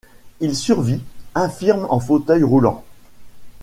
Il survit, infirme en fauteuil roulant.